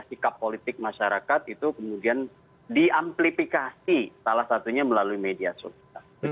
sikap politik masyarakat itu kemudian diamplifikasi salah satunya melalui media sosial